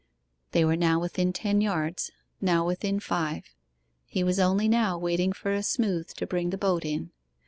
They were now within ten yards, now within five; he was only now waiting for a 'smooth' to bring the boat in.